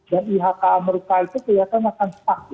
dan ihk amerika itu kelihatan akan stuck